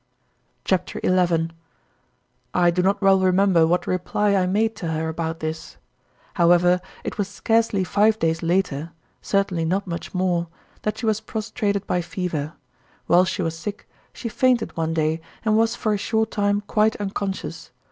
CHAPTER XI 27. I do not well remember what reply I made to her about this. However, it was scarcely five days later certainly not much more that she was prostrated by fever. While she was sick, she fainted one day and was for a short time quite unconscious.